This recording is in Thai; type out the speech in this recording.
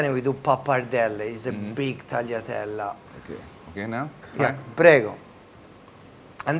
อร่อยจริงจากทรัฟเฟิลทรัฟเฟิลและมัสลุม